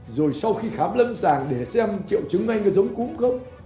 rồi sau khi khám lâm sàng để xem triệu chứng của anh có giống cúm không